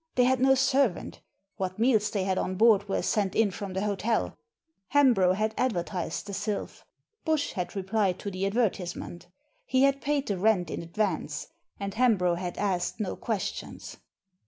They had no servant What meals they had on board were sent in from the hotel Hambro had advertised the Sylph. Bush had replied to the advertisement He had paid the rent in advance, and Hambro had asked no questions."